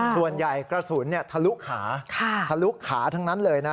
กระสุนทะลุขาทะลุขาทั้งนั้นเลยนะ